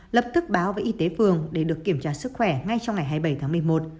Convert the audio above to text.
lập tức báo với y tế phường để được kiểm tra sức khỏe ngay trong ngày hai mươi bảy tháng một mươi một